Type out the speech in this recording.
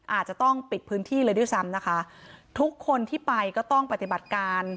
อาจจะต้องปิดพื้นที่เลยด้วยซ้ำนะคะทุกคนที่ไปก็ต้องปฏิบัติการ